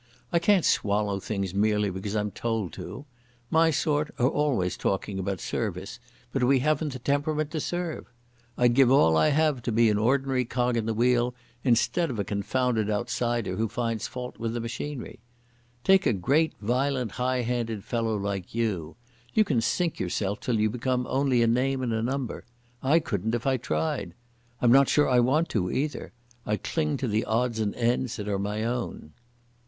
I can't swallow things merely because I'm told to. My sort are always talking about 'service', but we haven't the temperament to serve. I'd give all I have to be an ordinary cog in the wheel, instead of a confounded outsider who finds fault with the machinery.... Take a great violent high handed fellow like you. You can sink yourself till you become only a name and a number. I couldn't if I tried. I'm not sure if I want to either. I cling to the odds and ends that are my own."